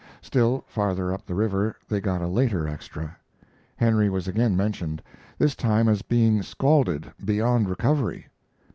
Still farther up the river they got a later extra. Henry was again mentioned; this time as being scalded beyond recovery.